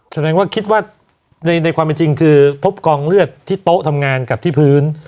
แสดงว่าคิดว่าในความเป็นจริงคือพบกองเลือดที่โต๊ะทำงานกับที่พื้น